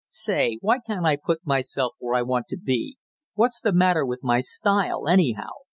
"Say, why can't I put myself where I want to be? What's the matter with my style, anyhow?